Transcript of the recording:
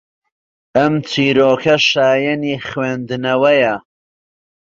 ئەم چیرۆکە شایەنی خوێندنەوەیە